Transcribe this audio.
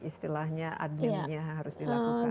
jadi istilahnya adminnya harus dilakukan